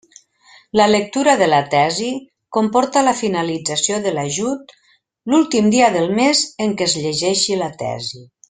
La lectura de la tesi comporta la finalització de l'ajut l'últim dia del mes en què es llegeix la tesi.